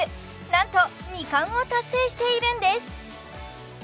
なんと２冠を達成しているんです